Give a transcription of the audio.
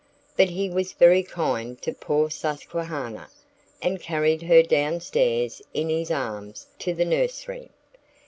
But he was very kind to poor Susquehanna, and carried her down stairs in his arms, to the nursery.